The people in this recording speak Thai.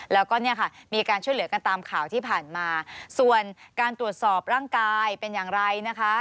แล้วก็เนี่ยค่ะมีการช่วยเหลือกันตามข่าวที่ผ่านมาส่วนการตรวจสอบร่างกายเป็นอย่างไรนะคะ